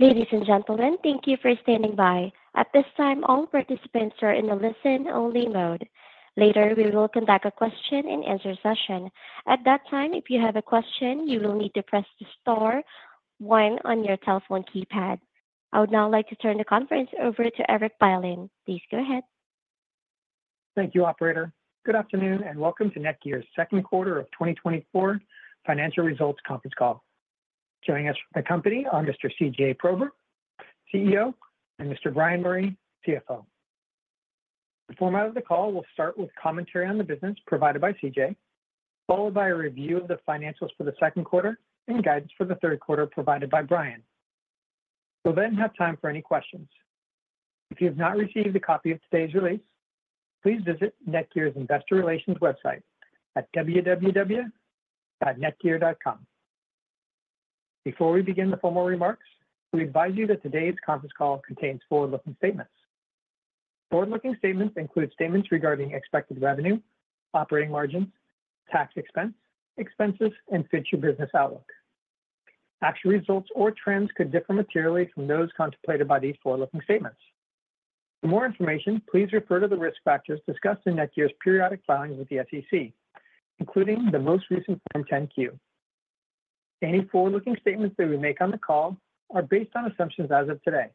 Ladies and gentlemen, thank you for standing by. At this time, all participants are in a listen-only mode. Later, we will conduct a question-and-answer session. At that time, if you have a question, you will need to press the star one on your telephone keypad. I would now like to turn the conference over to Erik Bylin. Please go ahead. Thank you, operator. Good afternoon, and welcome to NETGEAR's second quarter of 2024 financial results conference call. Joining us from the company are Mr. C.J. Prober, CEO, and Mr. Bryan Murray, CFO. The format of the call will start with commentary on the business provided by C.J., followed by a review of the financials for the second quarter and guidance for the third quarter provided by Bryan. We'll then have time for any questions. If you have not received a copy of today's release, please visit NETGEAR's investor relations website at www.netgear.com. Before we begin the formal remarks, we advise you that today's conference call contains forward-looking statements. Forward-looking statements include statements regarding expected revenue, operating margins, tax expense, expenses, and future business outlook. Actual results or trends could differ materially from those contemplated by these forward-looking statements. For more information, please refer to the risk factors discussed in NETGEAR's periodic filings with the SEC, including the most recent Form 10-Q. Any forward-looking statements that we make on the call are based on assumptions as of today,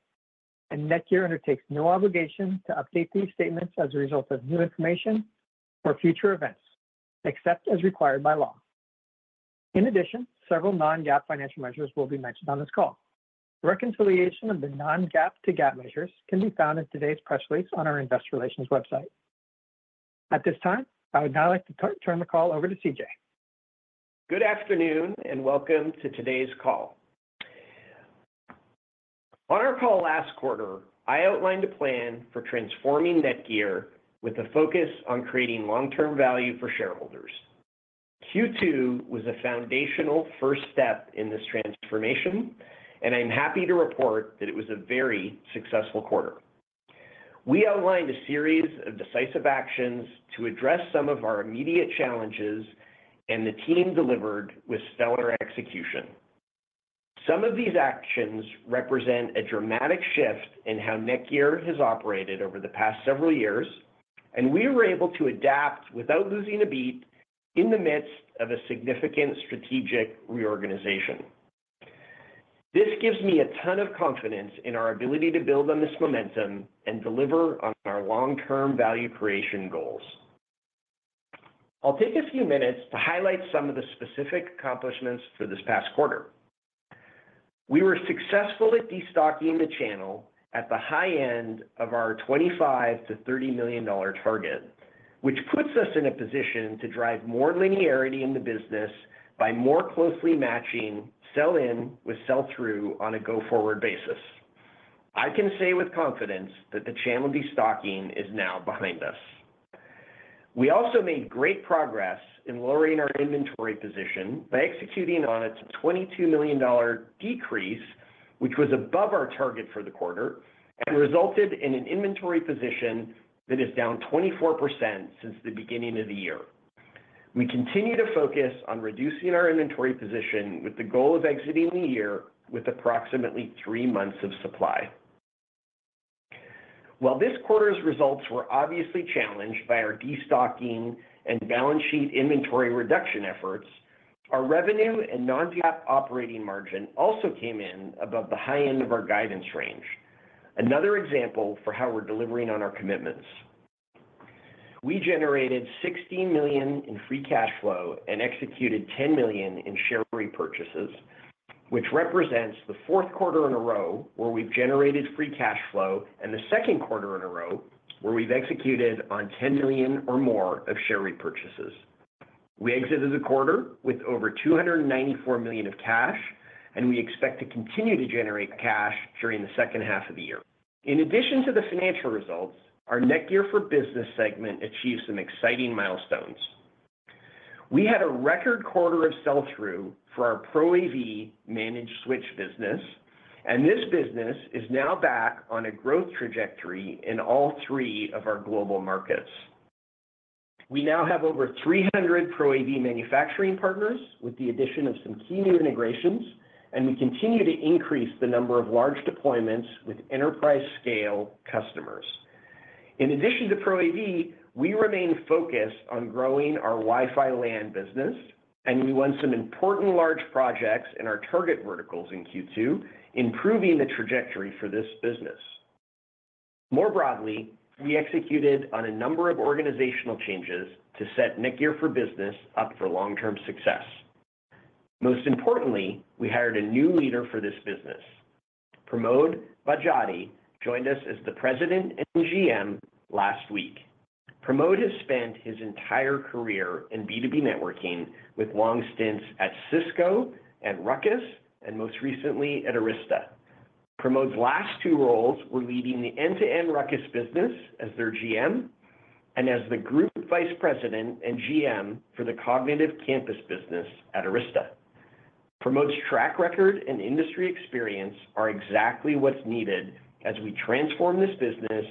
and NETGEAR undertakes no obligation to update these statements as a result of new information or future events, except as required by law. In addition, several non-GAAP financial measures will be mentioned on this call. Reconciliation of the non-GAAP to GAAP measures can be found in today's press release on our investor relations website. At this time, I would now like to turn the call over to C.J. Good afternoon and welcome to today's call. On our call last quarter, I outlined a plan for transforming NETGEAR with a focus on creating long-term value for shareholders. Q2 was a foundational first step in this transformation, and I'm happy to report that it was a very successful quarter. We outlined a series of decisive actions to address some of our immediate challenges, and the team delivered with stellar execution. Some of these actions represent a dramatic shift in how NETGEAR has operated over the past several years, and we were able to adapt without losing a beat in the midst of a significant strategic reorganization. This gives me a ton of confidence in our ability to build on this momentum and deliver on our long-term value creation goals. I'll take a few minutes to highlight some of the specific accomplishments for this past quarter. We were successful at destocking the channel at the high end of our $25-$30 million target, which puts us in a position to drive more linearity in the business by more closely matching sell-in with sell-through on a go-forward basis. I can say with confidence that the channel destocking is now behind us. We also made great progress in lowering our inventory position by executing on its $22 million decrease, which was above our target for the quarter and resulted in an inventory position that is down 24% since the beginning of the year. We continue to focus on reducing our inventory position with the goal of exiting the year with approximately three months of supply. While this quarter's results were obviously challenged by our destocking and balance sheet inventory reduction efforts, our revenue and non-GAAP operating margin also came in above the high end of our guidance range. Another example for how we're delivering on our commitments. We generated $16 million in free cash flow and executed $10 million in share repurchases, which represents the fourth quarter in a row where we've generated free cash flow and the second quarter in a row where we've executed on $10 million or more of share repurchases. We exited the quarter with over $294 million of cash, and we expect to continue to generate cash during the second half of the year. In addition to the financial results, our NETGEAR for Business segment achieved some exciting milestones. We had a record quarter of sell-through for our Pro AV managed switch business, and this business is now back on a growth trajectory in all three of our global markets. We now have over 300 Pro AV manufacturing partners, with the addition of some key new integrations, and we continue to increase the number of large deployments with enterprise-scale customers. In addition to Pro AV, we remain focused on growing our Wi-Fi LAN business, and we won some important large projects in our target verticals in Q2, improving the trajectory for this business. More broadly, we executed on a number of organizational changes to set NETGEAR for Business up for long-term success. Most importantly, we hired a new leader for this business. Pramod Badjate joined us as the President and GM last week. Pramod has spent his entire career in B2B networking with long stints at Cisco and Ruckus, and most recently at Arista. Pramod's last two roles were leading the end-to-end Ruckus business as their GM and as the Group Vice President and GM for the Cognitive Campus business at Arista. Pramod's track record and industry experience are exactly what's needed as we transform this business,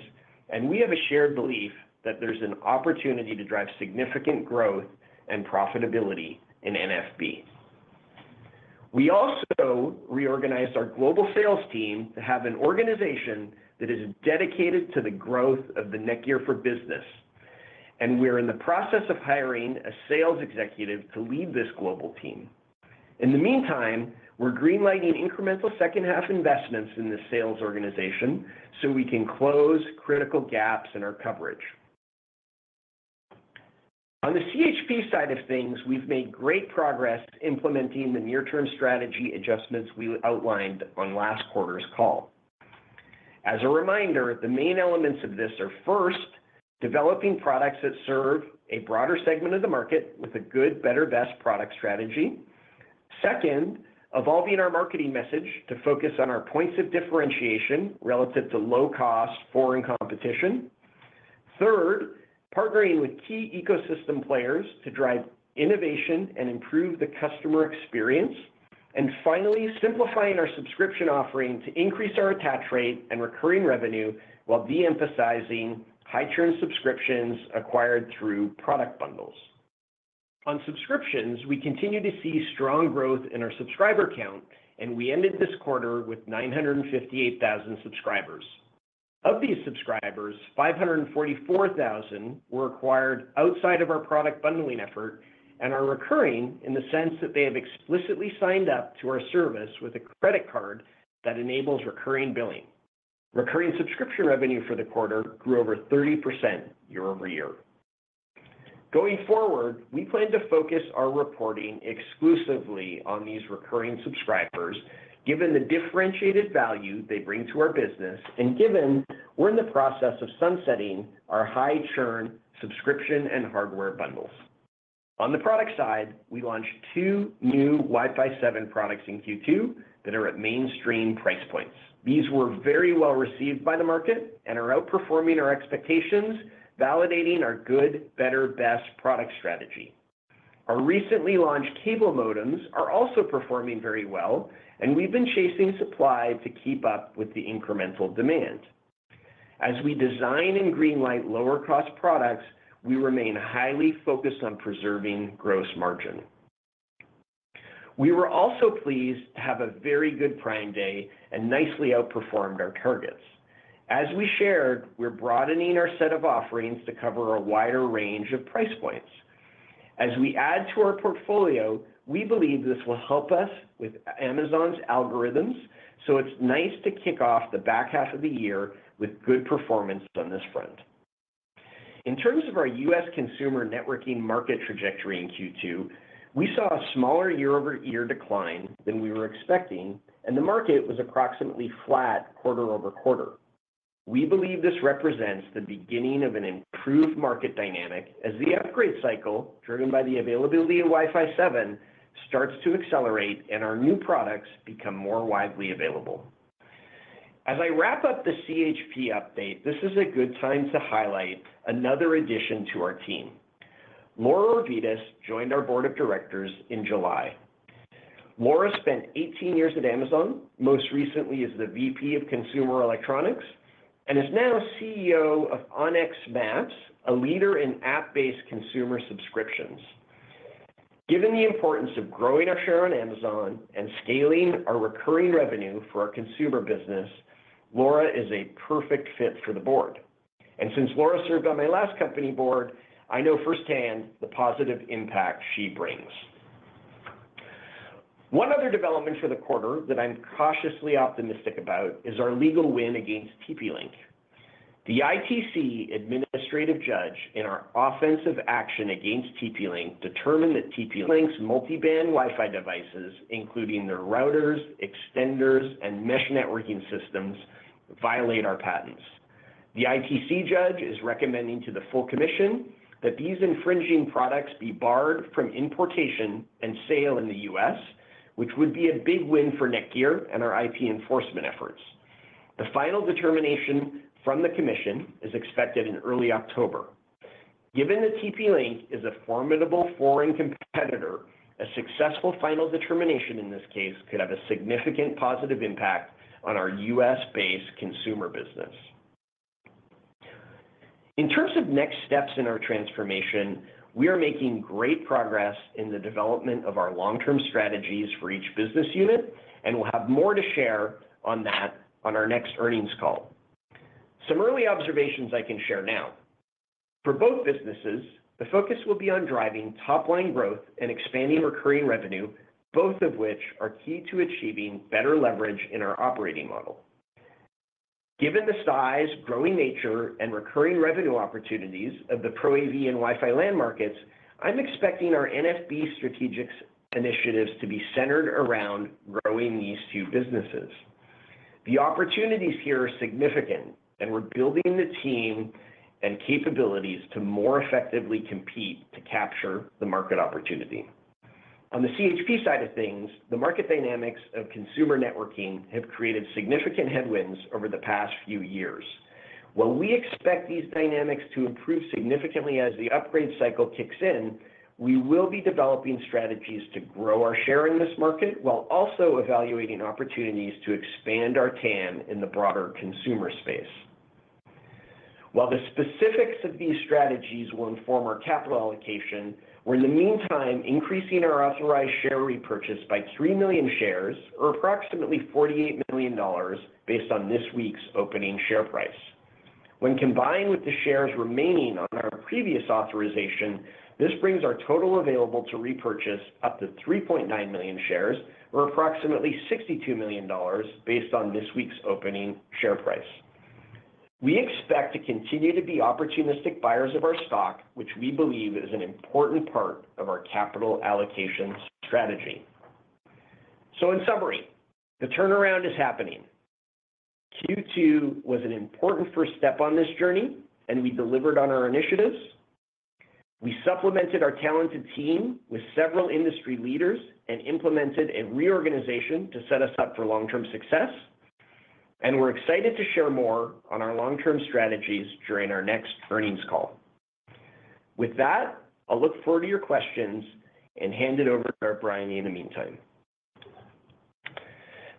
and we have a shared belief that there's an opportunity to drive significant growth and profitability in NFB. We also reorganized our global sales team to have an organization that is dedicated to the growth of the NETGEAR for Business, and we're in the process of hiring a sales executive to lead this global team. In the meantime, we're greenlighting incremental second-half investments in the sales organization so we can close critical gaps in our coverage. On the CHP side of things, we've made great progress implementing the near-term strategy adjustments we outlined on last quarter's call. As a reminder, the main elements of this are, first, developing products that serve a broader segment of the market with a good, better, best product strategy. Second, evolving our marketing message to focus on our points of differentiation relative to low-cost foreign competition. Third, partnering with key ecosystem players to drive innovation and improve the customer experience. And finally, simplifying our subscription offering to increase our attach rate and recurring revenue, while de-emphasizing high churn subscriptions acquired through product bundles. On subscriptions, we continue to see strong growth in our subscriber count, and we ended this quarter with 958,000 subscribers. Of these subscribers, 544,000 were acquired outside of our product bundling effort and are recurring in the sense that they have explicitly signed up to our service with a credit card that enables recurring billing. Recurring subscription revenue for the quarter grew over 30% year-over-year. Going forward, we plan to focus our reporting exclusively on these recurring subscribers, given the differentiated value they bring to our business and given we're in the process of sunsetting our high churn subscription and hardware bundles. On the product side, we launched 2 new Wi-Fi 7 products in Q2 that are at mainstream price points. These were very well received by the market and are outperforming our expectations, validating our good, better, best product strategy. Our recently launched cable modems are also performing very well, and we've been chasing supply to keep up with the incremental demand. As we design and greenlight lower cost products, we remain highly focused on preserving gross margin. We were also pleased to have a very good Prime Day and nicely outperformed our targets. As we shared, we're broadening our set of offerings to cover a wider range of price points. As we add to our portfolio, we believe this will help us with Amazon's algorithms, so it's nice to kick off the back half of the year with good performance on this front. In terms of our U.S. consumer networking market trajectory in Q2, we saw a smaller year-over-year decline than we were expecting, and the market was approximately flat quarter-over-quarter. We believe this represents the beginning of an improved market dynamic as the upgrade cycle, driven by the availability of Wi-Fi 7, starts to accelerate and our new products become more widely available. As I wrap up the CHP update, this is a good time to highlight another addition to our team. Laura Orvidas joined our board of directors in July. Laura spent 18 years at Amazon, most recently as the VP of Consumer Electronics, and is now CEO of onX, a leader in app-based consumer subscriptions. Given the importance of growing our share on Amazon and scaling our recurring revenue for our consumer business, Laura is a perfect fit for the board. And since Laura served on my last company board, I know firsthand the positive impact she brings. One other development for the quarter that I'm cautiously optimistic about is our legal win against TP-Link. The ITC administrative judge in our offensive action against TP-Link determined that TP-Link's multi-band Wi-Fi devices, including their routers, extenders, and mesh networking systems, violate our patents. The ITC judge is recommending to the full commission that these infringing products be barred from importation and sale in the U.S., which would be a big win for NETGEAR and our IP enforcement efforts. The final determination from the commission is expected in early October. Given that TP-Link is a formidable foreign competitor, a successful final determination in this case could have a significant positive impact on our U.S.-based consumer business. In terms of next steps in our transformation, we are making great progress in the development of our long-term strategies for each business unit, and we'll have more to share on that on our next earnings call. Some early observations I can share now: For both businesses, the focus will be on driving top-line growth and expanding recurring revenue, both of which are key to achieving better leverage in our operating model. Given the size, growing nature, and recurring revenue opportunities of the Pro AV and Wi-Fi LAN markets, I'm expecting our NFB strategic initiatives to be centered around growing these two businesses. The opportunities here are significant, and we're building the team and capabilities to more effectively compete to capture the market opportunity. On the CHP side of things, the market dynamics of consumer networking have created significant headwinds over the past few years. While we expect these dynamics to improve significantly as the upgrade cycle kicks in, we will be developing strategies to grow our share in this market, while also evaluating opportunities to expand our TAM in the broader consumer space.... While the specifics of these strategies will inform our capital allocation, we're in the meantime increasing our authorized share repurchase by 3 million shares, or approximately $48 million based on this week's opening share price. When combined with the shares remaining on our previous authorization, this brings our total available to repurchase up to 3.9 million shares, or approximately $62 million, based on this week's opening share price. We expect to continue to be opportunistic buyers of our stock, which we believe is an important part of our capital allocation strategy. So in summary, the turnaround is happening. Q2 was an important first step on this journey, and we delivered on our initiatives. We supplemented our talented team with several industry leaders and implemented a reorganization to set us up for long-term success, and we're excited to share more on our long-term strategies during our next earnings call. With that, I'll look forward to your questions and hand it over to Bryan in the meantime.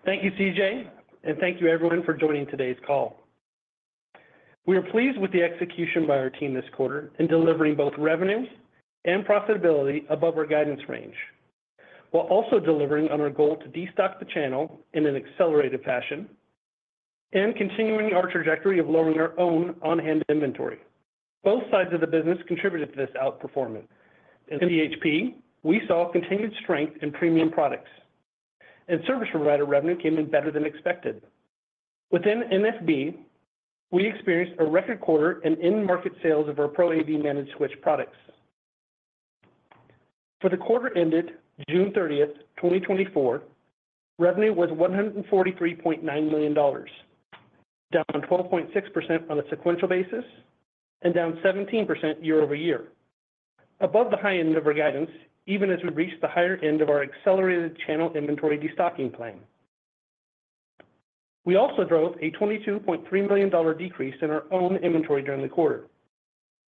Thank you, C.J., and thank you everyone for joining today's call. We are pleased with the execution by our team this quarter in delivering both revenues and profitability above our guidance range, while also delivering on our goal to destock the channel in an accelerated fashion and continuing our trajectory of lowering our own on-hand inventory. Both sides of the business contributed to this outperformance. In CHP, we saw continued strength in premium products, and service provider revenue came in better than expected. Within NFB, we experienced a record quarter in end-market sales of our Pro AV managed switch products. For the quarter ended June 30, 2024, revenue was $143.9 million, down 12.6% on a sequential basis and down 17% year-over-year, above the high end of our guidance, even as we reached the higher end of our accelerated channel inventory destocking plan. We also drove a $22.3 million decrease in our own inventory during the quarter,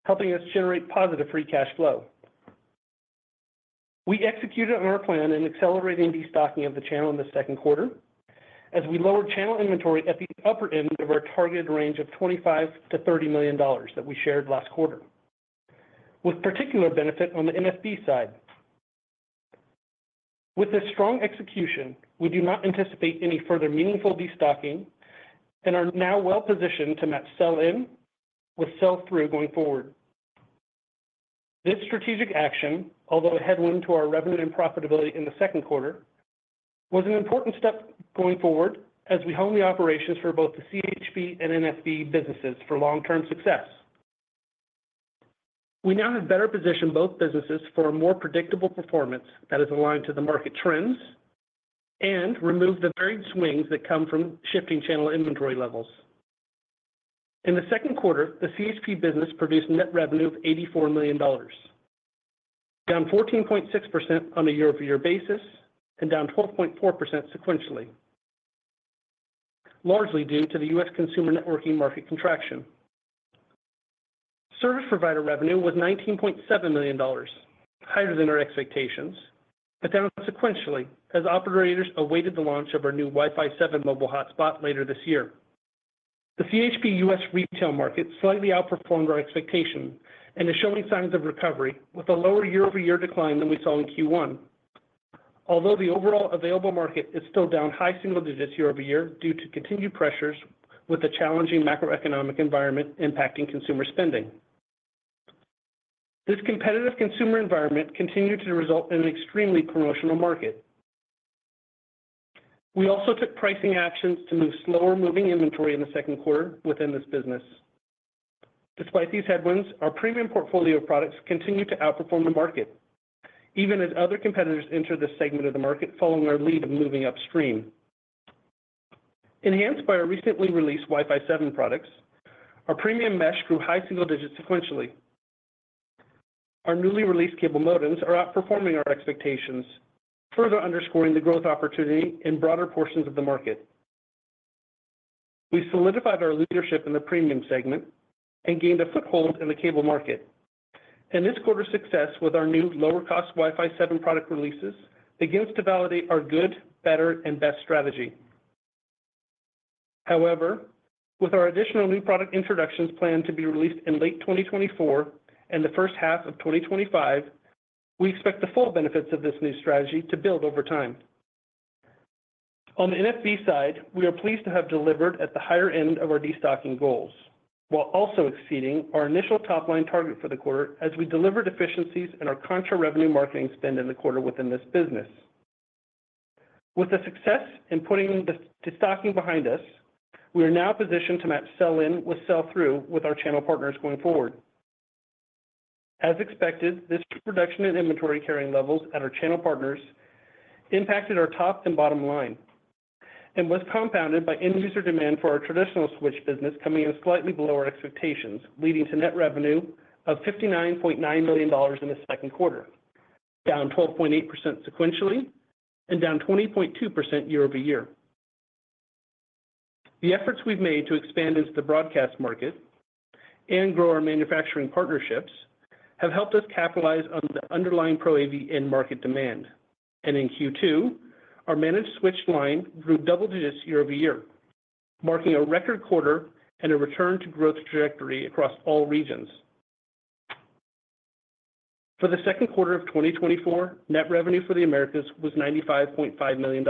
helping us generate positive free cash flow. We executed on our plan in accelerating destocking of the channel in the second quarter, as we lowered channel inventory at the upper end of our targeted range of $25 million-$30 million that we shared last quarter, with particular benefit on the NFB side. With this strong execution, we do not anticipate any further meaningful destocking and are now well positioned to match sell-in with sell-through going forward. This strategic action, although a headwind to our revenue and profitability in the second quarter, was an important step going forward as we hone the operations for both the CHP and NFB businesses for long-term success. We now have better positioned both businesses for a more predictable performance that is aligned to the market trends and removed the varied swings that come from shifting channel inventory levels. In the second quarter, the CHP business produced net revenue of $84 million, down 14.6% on a year-over-year basis and down 12.4% sequentially, largely due to the U.S. consumer networking market contraction. Service provider revenue was $19.7 million, higher than our expectations, but down sequentially as operators awaited the launch of our new Wi-Fi 7 mobile hotspot later this year. The CHP U.S. retail market slightly outperformed our expectations and is showing signs of recovery, with a lower year-over-year decline than we saw in Q1. Although the overall available market is still down high single digits year-over-year due to continued pressures, with the challenging macroeconomic environment impacting consumer spending. This competitive consumer environment continued to result in an extremely promotional market. We also took pricing actions to move slower-moving inventory in the second quarter within this business. Despite these headwinds, our premium portfolio of products continued to outperform the market, even as other competitors entered this segment of the market following our lead of moving upstream. Enhanced by our recently released Wi-Fi 7 products, our premium mesh grew high single digits sequentially. Our newly released cable modems are outperforming our expectations, further underscoring the growth opportunity in broader portions of the market. We solidified our leadership in the premium segment and gained a foothold in the cable market. This quarter's success with our new lower-cost Wi-Fi 7 product releases begins to validate our good, better, and best strategy. However, with our additional new product introductions planned to be released in late 2024 and the first half of 2025, we expect the full benefits of this new strategy to build over time. On the NFB side, we are pleased to have delivered at the higher end of our destocking goals, while also exceeding our initial top-line target for the quarter as we delivered efficiencies in our contra revenue marketing spend in the quarter within this business. With the success in putting the destocking behind us, we are now positioned to match sell-in with sell-through with our channel partners going forward. As expected, this reduction in inventory carrying levels at our channel partners impacted our top and bottom line and was compounded by end-user demand for our traditional switch business coming in slightly below our expectations, leading to net revenue of $59.9 million in the second quarter, down 12.8% sequentially and down 20.2% year-over-year. The efforts we've made to expand into the broadcast market and grow our manufacturing partnerships have helped us capitalize on the underlying Pro AV end market demand. In Q2, our managed switch line grew double digits year-over-year, marking a record quarter and a return to growth trajectory across all regions. For the second quarter of 2024, net revenue for the Americas was $95.5 million,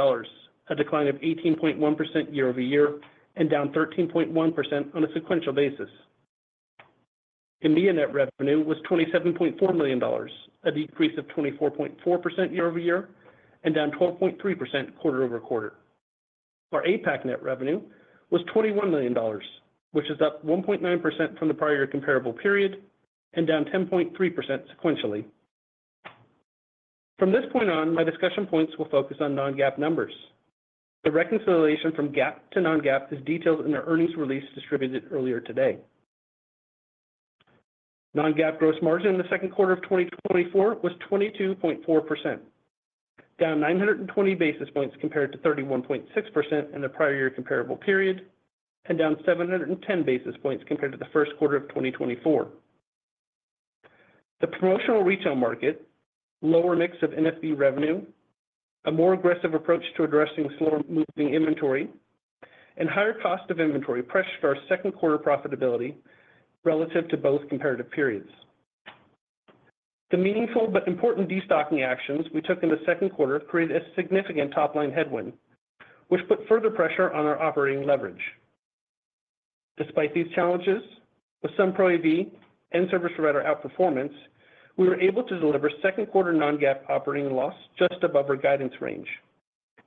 a decline of 18.1% year-over-year, and down 13.1% on a sequential basis. India net revenue was $27.4 million, a decrease of 24.4% year-over-year, and down 12.3% quarter-over-quarter. Our APAC net revenue was $21 million, which is up 1.9% from the prior comparable period, and down 10.3% sequentially. From this point on, my discussion points will focus on non-GAAP numbers. The reconciliation from GAAP to non-GAAP is detailed in the earnings release distributed earlier today. Non-GAAP gross margin in the second quarter of 2024 was 22.4%, down 920 basis points compared to 31.6% in the prior year comparable period, and down 710 basis points compared to the first quarter of 2024. The promotional retail market, lower mix of NFB revenue, a more aggressive approach to addressing slower moving inventory, and higher cost of inventory pressured our second quarter profitability relative to both comparative periods. The meaningful but important destocking actions we took in the second quarter created a significant top-line headwind, which put further pressure on our operating leverage. Despite these challenges, with some Pro AV and service provider outperformance, we were able to deliver second quarter Non-GAAP operating loss just above our guidance range,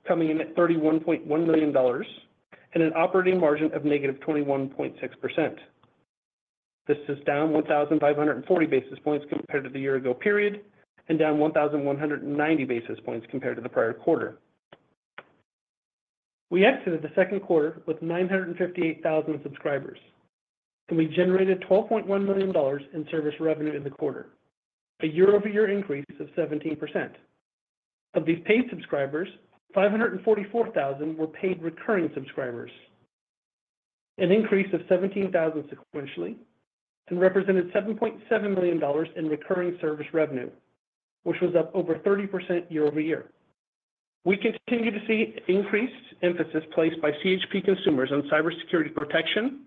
coming in at $31.1 million, and an operating margin of -21.6%. This is down 1,540 basis points compared to the year ago period, and down 1,190 basis points compared to the prior quarter. We exited the second quarter with 958,000 subscribers, and we generated $12.1 million in service revenue in the quarter, a year-over-year increase of 17%. Of these paid subscribers, 544,000 were paid recurring subscribers, an increase of 17,000 sequentially, and represented $7.7 million in recurring service revenue, which was up over 30% year-over-year. We continue to see increased emphasis placed by CHP consumers on cybersecurity protection,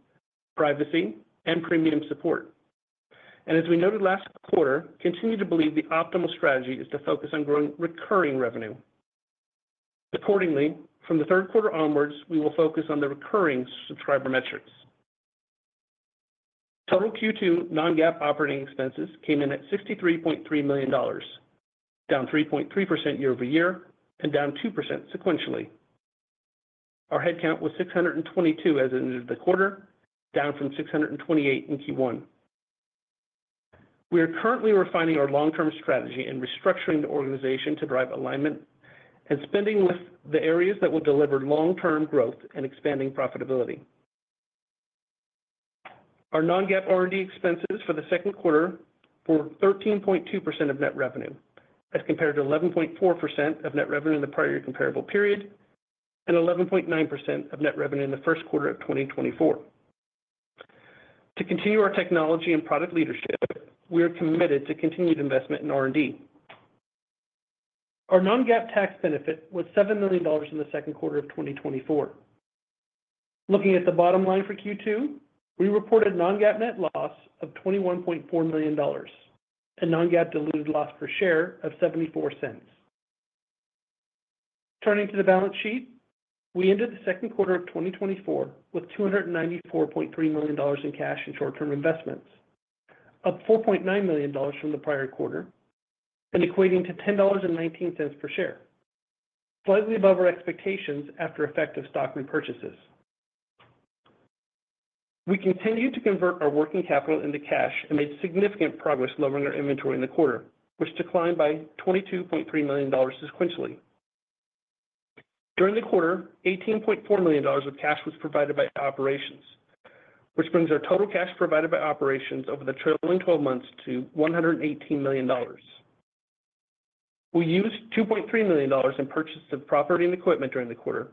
privacy, and premium support, and as we noted last quarter, continue to believe the optimal strategy is to focus on growing recurring revenue. Accordingly, from the third quarter onwards, we will focus on the recurring subscriber metrics. Total Q2 non-GAAP operating expenses came in at $63.3 million, down 3.3% year-over-year, and down 2% sequentially. Our headcount was 622 as it ended the quarter, down from 628 in Q1. We are currently refining our long-term strategy and restructuring the organization to drive alignment and spending with the areas that will deliver long-term growth and expanding profitability. Our non-GAAP R&D expenses for the second quarter were 13.2% of net revenue, as compared to 11.4% of net revenue in the prior comparable period, and 11.9% of net revenue in the first quarter of 2024. To continue our technology and product leadership, we are committed to continued investment in R&D. Our non-GAAP tax benefit was $7 million in the second quarter of 2024. Looking at the bottom line for Q2, we reported non-GAAP net loss of $21.4 million, a non-GAAP diluted loss per share of 74 cents. Turning to the balance sheet, we ended the second quarter of 2024 with $294.3 million in cash and short-term investments, up $4.9 million from the prior quarter, and equating to $10.19 per share, slightly above our expectations after effective stock repurchases. We continued to convert our working capital into cash and made significant progress lowering our inventory in the quarter, which declined by $22.3 million sequentially. During the quarter, $18.4 million of cash was provided by operations, which brings our total cash provided by operations over the trailing twelve months to $118 million. We used $2.3 million in purchase of property and equipment during the quarter,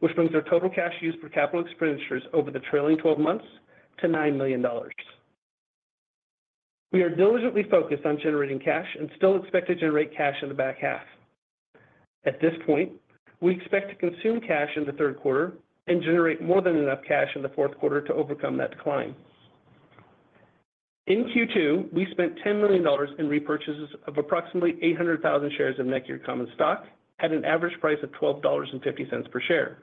which brings our total cash used for capital expenditures over the trailing twelve months to $9 million. We are diligently focused on generating cash and still expect to generate cash in the back half. At this point, we expect to consume cash in the third quarter and generate more than enough cash in the fourth quarter to overcome that decline. In Q2, we spent $10 million in repurchases of approximately 800,000 shares of NETGEAR common stock at an average price of $12.50 per share.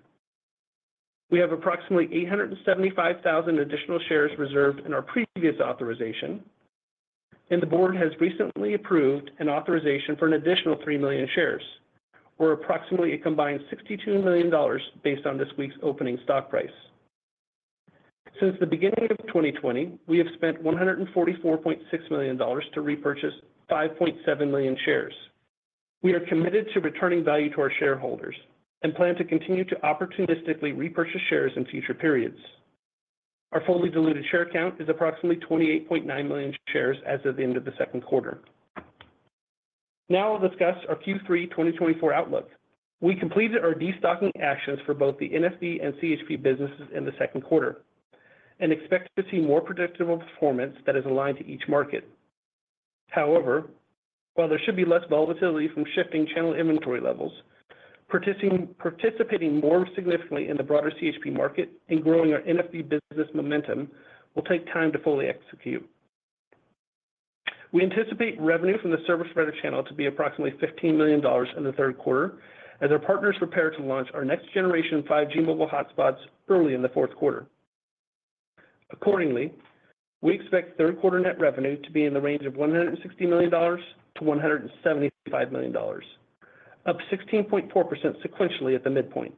We have approximately 875,000 additional shares reserved in our previous authorization, and the board has recently approved an authorization for an additional 3 million shares, or approximately a combined $62 million, based on this week's opening stock price. Since the beginning of 2020, we have spent $144.6 million to repurchase 5.7 million shares. We are committed to returning value to our shareholders and plan to continue to opportunistically repurchase shares in future periods. Our fully diluted share count is approximately 28.9 million shares as of the end of the second quarter. Now I'll discuss our Q3 2024 outlook. We completed our destocking actions for both the NFB and CHP businesses in the second quarter, and expect to see more predictable performance that is aligned to each market. However, while there should be less volatility from shifting channel inventory levels, participating more significantly in the broader CHP market and growing our NFB business momentum will take time to fully execute. We anticipate revenue from the service provider channel to be approximately $15 million in the third quarter, as our partners prepare to launch our next generation 5G mobile hotspots early in the fourth quarter. Accordingly, we expect third quarter net revenue to be in the range of $160 million-$175 million, up 16.4% sequentially at the midpoint.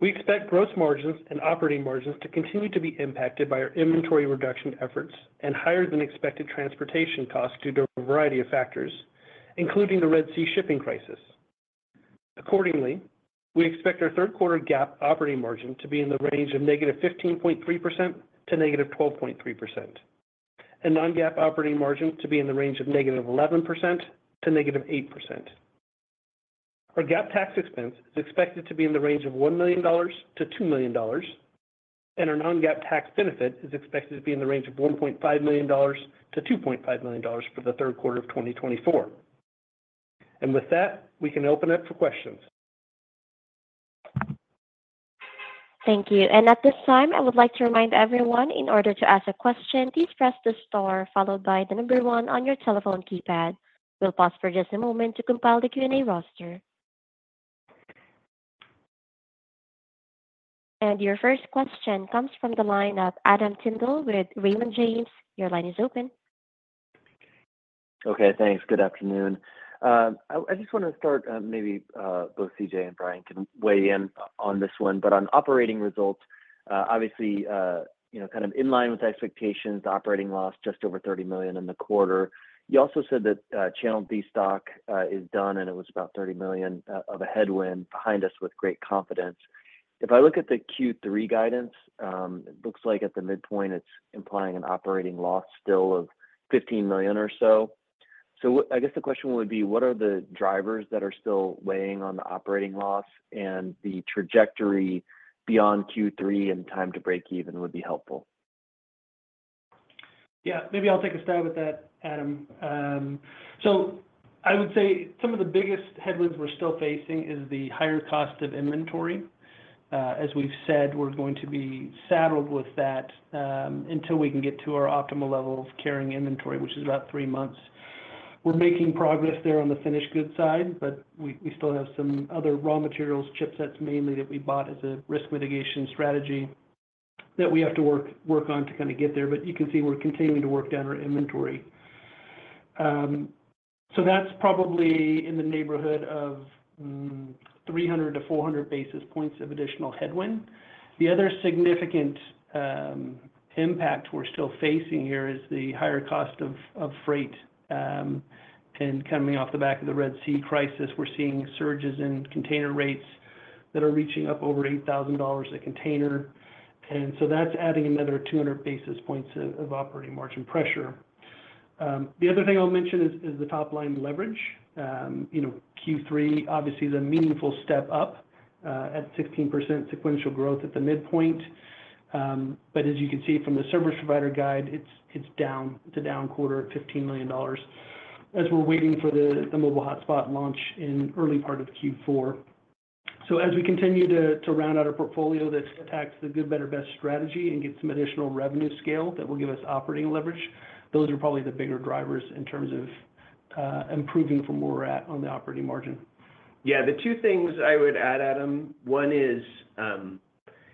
We expect gross margins and operating margins to continue to be impacted by our inventory reduction efforts and higher than expected transportation costs due to a variety of factors, including the Red Sea shipping crisis. Accordingly, we expect our third quarter GAAP operating margin to be in the range of -15.3% to -12.3%, and non-GAAP operating margin to be in the range of -11% to -8%. Our GAAP tax expense is expected to be in the range of $1 million to $2 million, and our non-GAAP tax benefit is expected to be in the range of $1.5 million to $2.5 million for the third quarter of 2024. With that, we can open up for questions. Thank you. At this time, I would like to remind everyone, in order to ask a question, please press the star followed by the number one on your telephone keypad. We'll pause for just a moment to compile the Q&A roster. Your first question comes from the line of Adam Tindle with Raymond James. Your line is open. Okay, thanks. Good afternoon. I just want to start, maybe, both C.J. and Bryan can weigh in on this one, but on operating results, obviously, you know, kind of in line with expectations, operating loss just over $30 million in the quarter. You also said that channel destock is done, and it was about $30 million of a headwind behind us with great confidence. If I look at the Q3 guidance, it looks like at the midpoint, it's implying an operating loss still of $15 million or so. So what—I guess the question would be: What are the drivers that are still weighing on the operating loss and the trajectory beyond Q3 and time to break even would be helpful? Yeah, maybe I'll take a stab at that, Adam. So I would say some of the biggest headwinds we're still facing is the higher cost of inventory. As we've said, we're going to be saddled with that until we can get to our optimal level of carrying inventory, which is about three months. We're making progress there on the finished goods side, but we still have some other raw materials, chipsets mainly, that we bought as a risk mitigation strategy that we have to work on to kind of get there. But you can see we're continuing to work down our inventory. So that's probably in the neighborhood of 300-400 basis points of additional headwind. The other significant impact we're still facing here is the higher cost of freight. And coming off the back of the Red Sea crisis, we're seeing surges in container rates that are reaching up over $8,000 a container, and so that's adding another 200 basis points of operating margin pressure. The other thing I'll mention is the top-line leverage. You know, Q3 obviously is a meaningful step up at 16% sequential growth at the midpoint. But as you can see from the service provider guide, it's down to down quarter at $15 million, as we're waiting for the mobile hotspot launch in early part of Q4. So as we continue to round out our portfolio that attacks the good, better, best strategy and get some additional revenue scale that will give us operating leverage, those are probably the bigger drivers in terms of improving from where we're at on the operating margin. Yeah. The two things I would add, Adam. One is,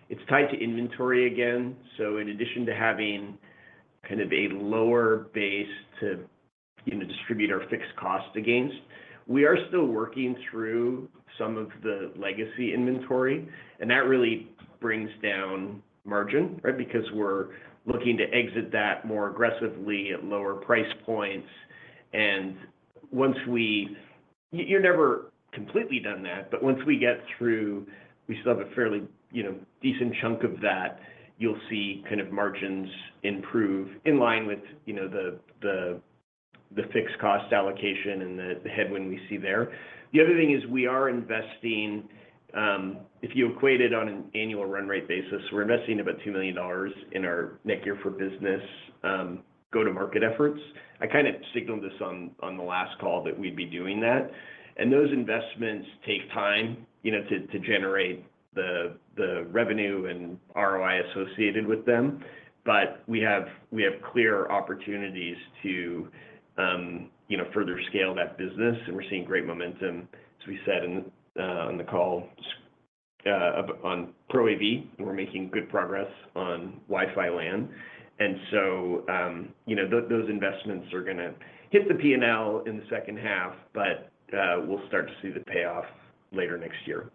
it's tied to inventory again. So in addition to having kind of a lower base to, you know, distribute our fixed cost against, we are still working through some of the legacy inventory, and that really brings down margin, right? Because we're looking to exit that more aggressively at lower price points. And once we, you're never completely done that, but once we get through, we still have a fairly, you know, decent chunk of that, you'll see kind of margins improve in line with, you know, the fixed cost allocation and the headwind we see there. The other thing is we are investing, if you equate it on an annual run rate basis, we're investing about $2 million in our next year for business, go-to-market efforts. I kind of signaled this on the last call that we'd be doing that. And those investments take time, you know, to generate the revenue and ROI associated with them. But we have clear opportunities to, you know, further scale that business, and we're seeing great momentum, as we said on the call about Pro AV, and we're making good progress on Wi-Fi LAN. And so, you know, those investments are going to hit the P&L in the second half, but we'll start to see the payoff later next year.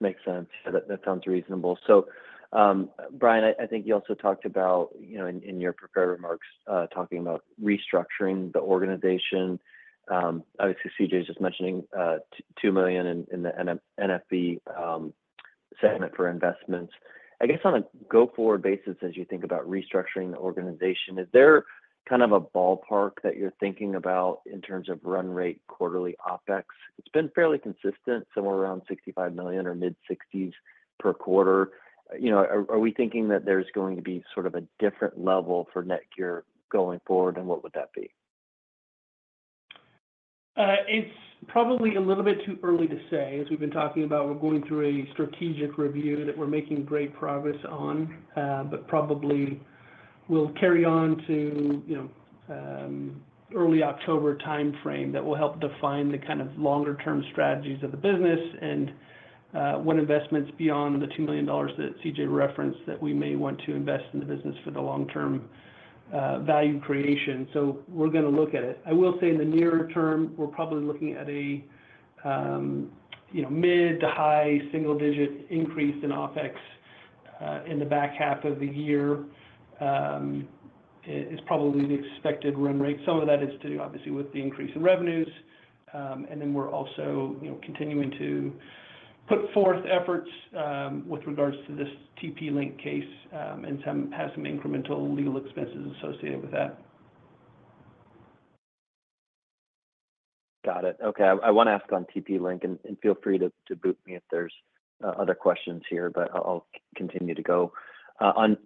Makes sense. That sounds reasonable. So, Bryan, I think you also talked about, you know, in your prepared remarks, talking about restructuring the organization. Obviously, C.J.'s just mentioning $2 million in the NFB segment for investments. I guess on a go-forward basis, as you think about restructuring the organization, is there kind of a ballpark that you're thinking about in terms of run rate, quarterly OpEx? It's been fairly consistent, somewhere around $65 million or mid-sixties per quarter. You know, are we thinking that there's going to be sort of a different level for NETGEAR going forward, and what would that be? It's probably a little bit too early to say. As we've been talking about, we're going through a strategic review that we're making great progress on. But probably will carry on to, you know, early October timeframe that will help define the kind of longer term strategies of the business and, what investments beyond the $2 million that C.J. referenced, that we may want to invest in the business for the long term, value creation. So we're gonna look at it. I will say in the nearer term, we're probably looking at a, you know, mid- to high-single-digit increase in OpEx, in the back half of the year. Is probably the expected run rate. Some of that is to do, obviously, with the increase in revenues. And then we're also, you know, continuing to put forth efforts with regards to this TP-Link case, and have some incremental legal expenses associated with that. Got it. Okay. I wanna ask on TP-Link, and feel free to boot me if there's other questions here, but I'll continue to go. On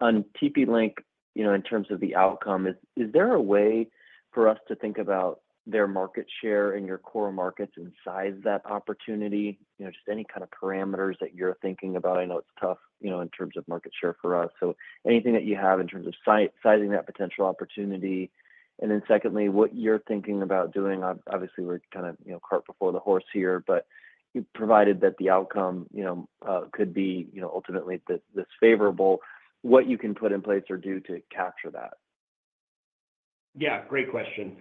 TP-Link, you know, in terms of the outcome, is there a way for us to think about their market share in your core markets and size that opportunity? You know, just any kind of parameters that you're thinking about. I know it's tough, you know, in terms of market share for us, so anything that you have in terms of sizing that potential opportunity. And then secondly, what you're thinking about doing, obviously, we're kind of, you know, cart before the horse here, but provided that the outcome, you know, could be, you know, ultimately this favorable, what you can put in place or do to capture that? Yeah, great question.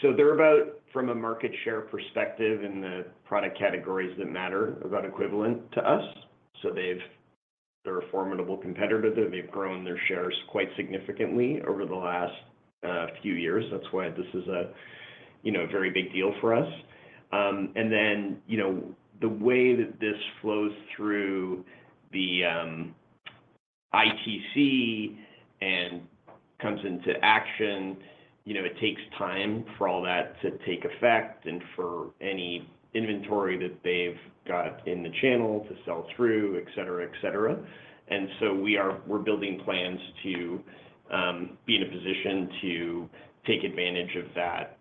So they're about, from a market share perspective in the product categories that matter, about equivalent to us. So they're a formidable competitor. They've grown their shares quite significantly over the last few years. That's why this is a, you know, very big deal for us. And then, you know, the way that this flows through the ITC and comes into action, you know, it takes time for all that to take effect and for any inventory that they've got in the channel to sell through, et cetera, et cetera. And so we're building plans to be in a position to take advantage of that,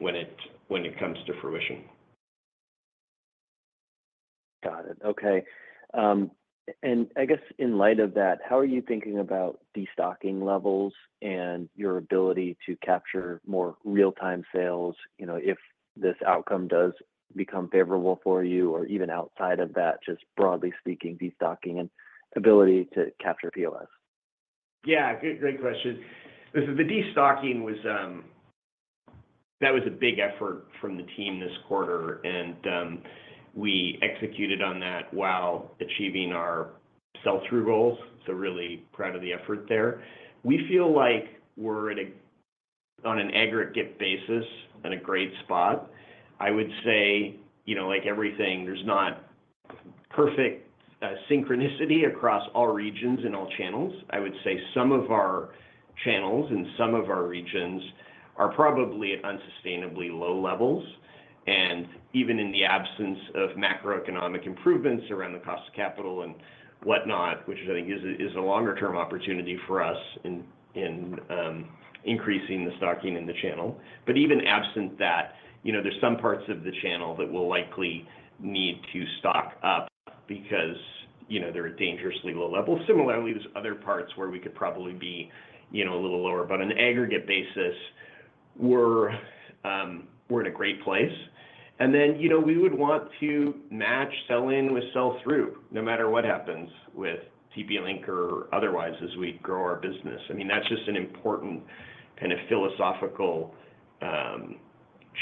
when it comes to fruition. Got it. Okay. And I guess in light of that, how are you thinking about destocking levels and your ability to capture more real-time sales, you know, if this outcome does become favorable for you, or even outside of that, just broadly speaking, destocking and ability to capture PLS? Yeah, good, great question. Listen, the destocking was, that was a big effort from the team this quarter, and, we executed on that while achieving our sell-through goals, so really proud of the effort there. We feel like we're at a, on an aggregate basis, in a great spot. I would say, you know, like everything, there's not perfect, synchronicity across all regions and all channels. I would say some of our channels and some of our regions are probably at unsustainably low levels, and even in the absence of macroeconomic improvements around the cost of capital and whatnot, which I think is a, is a longer term opportunity for us in, in, increasing the stocking in the channel. But even absent that, you know, there's some parts of the channel that will likely need to stock up because, you know, they're at dangerously low levels. Similarly, there's other parts where we could probably be, you know, a little lower, but on an aggregate basis, we're, we're in a great place. And then, you know, we would want to match sell-in with sell-through, no matter what happens with TP-Link or otherwise, as we grow our business. I mean, that's just an important kind of philosophical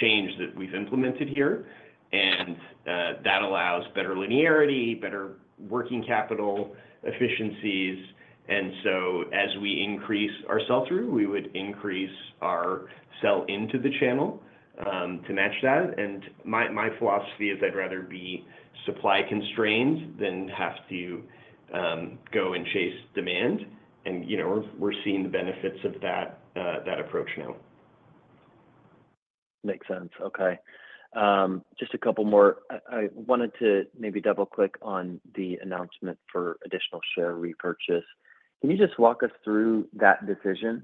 change that we've implemented here, and that allows better linearity, better working capital efficiencies. And so as we increase our sell-through, we would increase our sell into the channel to match that. And my, my philosophy is I'd rather be supply constrained than have to go and chase demand. And, you know, we're, we're seeing the benefits of that that approach now. Makes sense. Okay. Just a couple more. I wanted to maybe double-click on the announcement for additional share repurchase. Can you just walk us through that decision,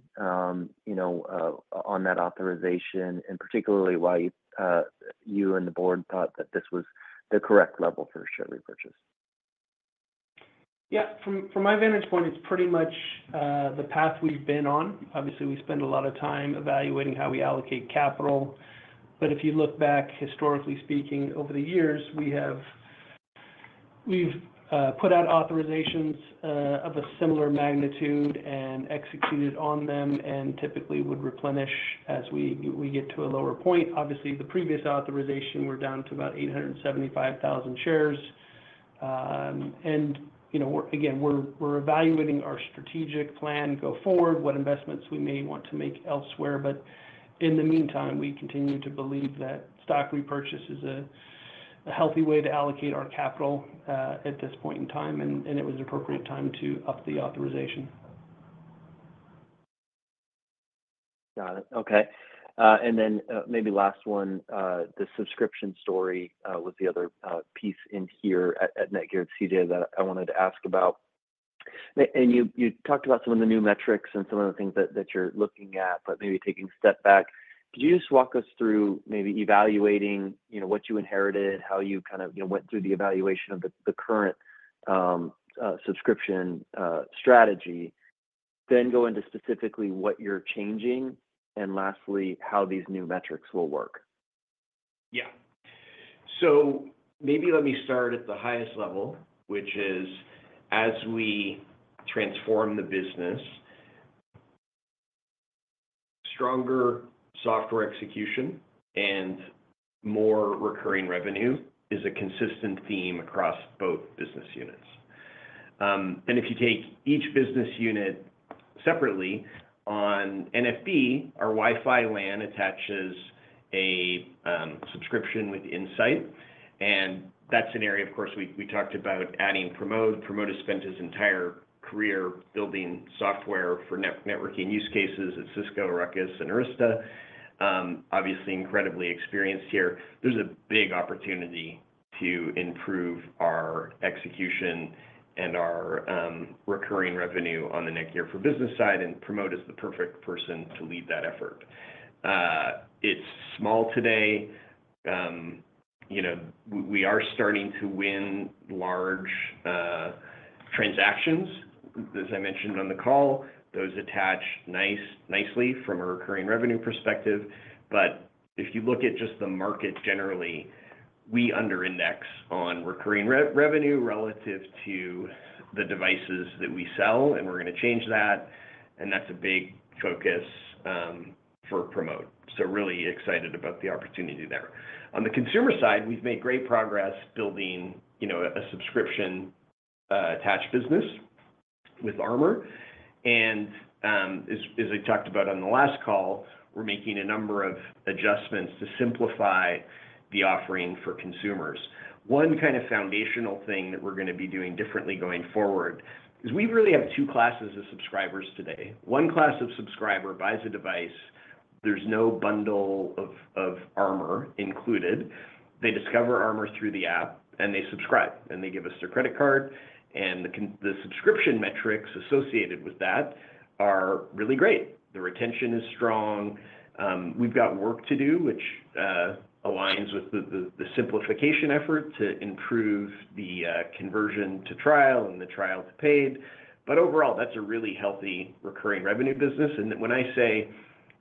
you know, on that authorization, and particularly why you and the board thought that this was the correct level for a share repurchase? Yeah. From my vantage point, it's pretty much the path we've been on. Obviously, we spend a lot of time evaluating how we allocate capital, but if you look back, historically speaking, over the years, we've put out authorizations of a similar magnitude and executed on them, and typically would replenish as we get to a lower point. Obviously, the previous authorization, we're down to about 875,000 shares.... you know, we're again evaluating our strategic plan going forward, what investments we may want to make elsewhere. But in the meantime, we continue to believe that stock repurchase is a healthy way to allocate our capital at this point in time, and it was appropriate time to up the authorization. Got it. Okay. And then, maybe last one, the subscription story was the other piece in here at NETGEAR and C.J. that I wanted to ask about. And you talked about some of the new metrics and some of the things that you're looking at, but maybe taking a step back. Could you just walk us through maybe evaluating, you know, what you inherited, how you kind of, you know, went through the evaluation of the current subscription strategy? Then go into specifically what you're changing, and lastly, how these new metrics will work. Yeah. So maybe let me start at the highest level, which is as we transform the business, stronger software execution and more recurring revenue is a consistent theme across both business units. And if you take each business unit separately, on NFB, our Wi-Fi LAN attaches a subscription with Insight. And that's an area, of course, we talked about adding Pramod. Pramod has spent his entire career building software for networking use cases at Cisco, Ruckus, and Arista. Obviously incredibly experienced here. There's a big opportunity to improve our execution and our recurring revenue on the NETGEAR for Business side, and Pramod is the perfect person to lead that effort. It's small today. You know, we are starting to win large transactions. As I mentioned on the call, those attach nicely from a recurring revenue perspective. But if you look at just the market generally, we under index on recurring revenue relative to the devices that we sell, and we're gonna change that, and that's a big focus for Pramod. So really excited about the opportunity there. On the consumer side, we've made great progress building, you know, a subscription attached business with Armor. And as I talked about on the last call, we're making a number of adjustments to simplify the offering for consumers. One kind of foundational thing that we're gonna be doing differently going forward is we really have two classes of subscribers today. One class of subscriber buys a device, there's no bundle of Armor included. They discover Armor through the app, and they subscribe, and they give us their credit card, and the subscription metrics associated with that are really great. The retention is strong. We've got work to do, which aligns with the simplification effort to improve the conversion to trial and the trial to paid. But overall, that's a really healthy recurring revenue business. And when I say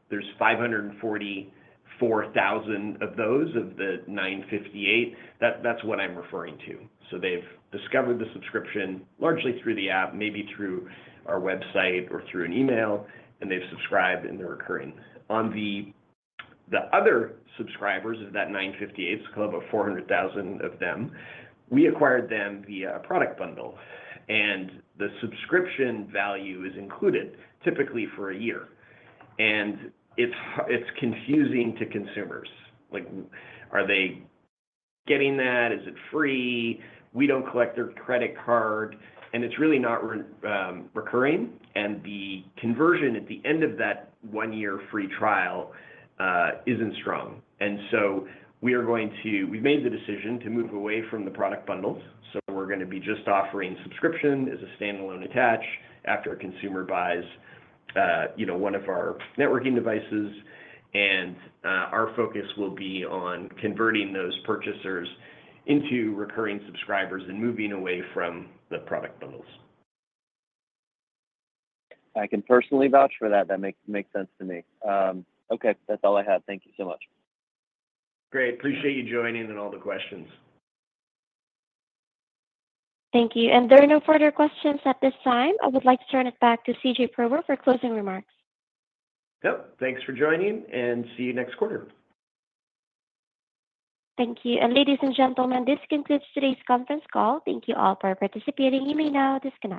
there's 544,000 of those, of the 958, that's what I'm referring to. So they've discovered the subscription largely through the app, maybe through our website or through an email, and they've subscribed, and they're recurring. On the other subscribers of that 958, it's about 400,000 of them, we acquired them via a product bundle, and the subscription value is included typically for a year. And it's confusing to consumers. Like, are they getting that? Is it free? We don't collect their credit card, and it's really not recurring, and the conversion at the end of that one year free trial isn't strong. And so we are going to... We've made the decision to move away from the product bundles, so we're gonna be just offering subscription as a standalone attach after a consumer buys, you know, one of our networking devices. And our focus will be on converting those purchasers into recurring subscribers and moving away from the product bundles. I can personally vouch for that. That makes sense to me. Okay, that's all I had. Thank you so much. Great. Appreciate you joining and all the questions. Thank you. There are no further questions at this time. I would like to turn it back to C.J. Prober for closing remarks. Yep. Thanks for joining, and see you next quarter. Thank you. Ladies and gentlemen, this concludes today's conference call. Thank you all for participating. You may now disconnect.